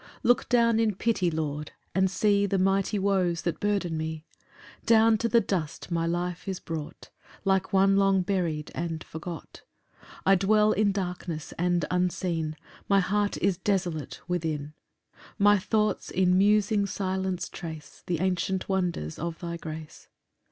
3 Look down in pity, Lord, and see The mighty woes that burden me; Down to the dust my life is brought, Like one long bury'd and forgot. 4 I dwell in darkness and unseen, My heart is desolate within; My thoughts in musing silence trace The ancient wonders of thy grace.